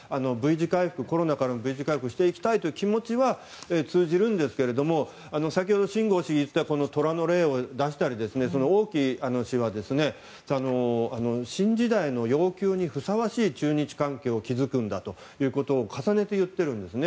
コロナからのＶ字回復をしたいという気持ちは通じるんですけども先ほど、シン・ゴウ氏が虎の例を出したり王毅氏は新時代の要求にふさわしい中日関係を築くんだということを重ねて言っているんですね。